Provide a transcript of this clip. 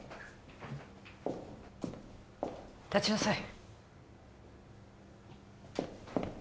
立ちなさい